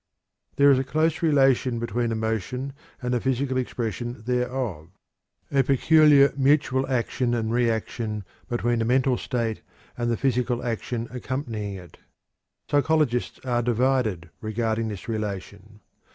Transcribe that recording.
There is a close relation between emotion and the physical expression thereof a peculiar mutual action and reaction between the mental state and the physical action accompanying it. Psychologists are divided regarding this relation.